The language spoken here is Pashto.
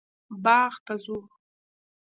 باغ ته ځو